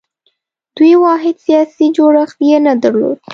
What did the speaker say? دوی واحد سیاسي جوړښت یې نه درلود